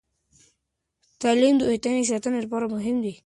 تعلیم د هویتي ساتنې لپاره مهم دی.